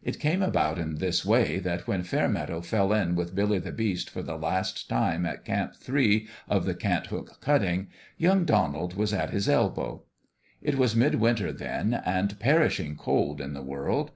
It came about in this way that when Fairmeadow fell in with Billy the Beast for the last time at Camp Three of the Cant hook cutting, young Donald was at his elbow. It was midwinter, then, and perishing cold in the world.